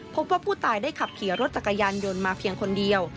พบว่าผู้ตายได้ขับขี่รถจักรยานยนต์มาเพียงคนเดียว